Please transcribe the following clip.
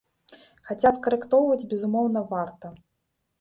Хаця скарэктоўваць, безумоўна, варта.